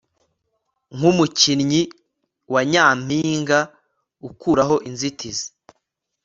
nkumukinnyi wa nyampinga ukuraho inzitizi